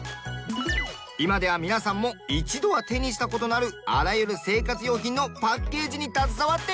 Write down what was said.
今では皆さんも一度は手にした事のあるあらゆる生活用品のパッケージに携わっているんです。